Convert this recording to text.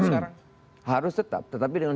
sekarang harus tetap tetapi dengan